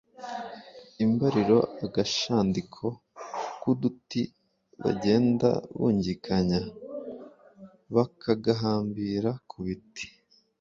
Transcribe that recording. imbariro: agashandiko k’uduti bagenda bungikanya bakagahambira ku biti